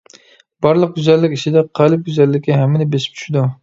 بارلىق گۈزەللىك ئىچىدە قەلب گۈزەللىكى ھەممىنى بېسىپ چۈشىدۇ.